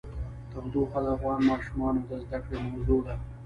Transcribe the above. تودوخه د افغان ماشومانو د زده کړې موضوع ده.